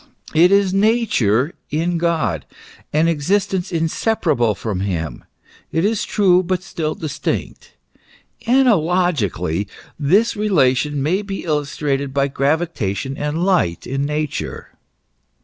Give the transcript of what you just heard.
It is Nature in God ; an existence inseparable from him, it is true, but still distinct. Analogically (?), this relation may be illus trated by gravitation and light in nature."